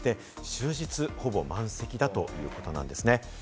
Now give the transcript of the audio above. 終日ほぼ満席だということなんですね。